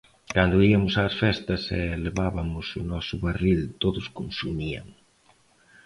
Cando iamos ás festas e levabamos o noso barril todos consumían.